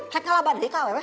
hek ngalah badai kawen hah